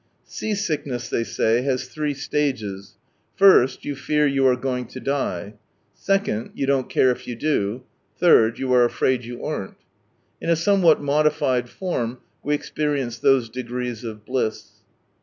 Sea sickness, they say, has three stages — ist you fear you are going to die. 2nd you don't care if yoa do. 3rd you are afraid you aren't. In a somewhat modified form, we experienced those degrees of bliss.